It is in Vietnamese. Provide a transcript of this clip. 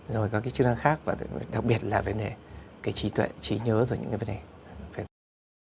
rồi có cái chức năng khác đặc biệt là về cái trí tuệ trí nhớ về những cái vấn đề